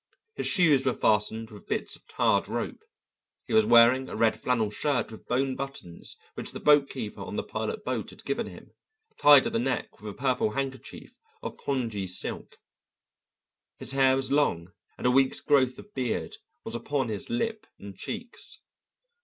His shoes were fastened with bits of tarred rope; he was wearing a red flannel shirt with bone buttons which the boatkeeper on the pilot boat had given him, tied at the neck with a purple handkerchief of pongee silk; his hair was long, and a week's growth of beard was upon his lip and cheeks.